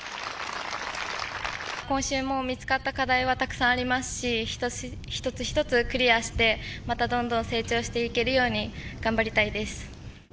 今週も見つかった課題はたくさんありますし、一つ一つクリアして、またどんどん成長していけるように頑張りたいです。